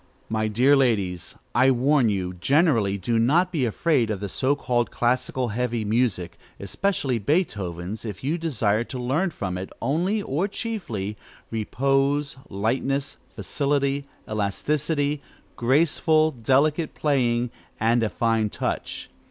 My dear ladies, I warn you, generally, do not be afraid of the so called classical, heavy music, especially Beethoven's, if you desire to learn from it, only or chiefly, repose, lightness, facility, elasticity, graceful, delicate playing, and a fine touch.